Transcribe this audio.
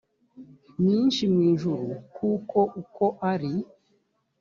nyinshi mu ijuru kuko uko ari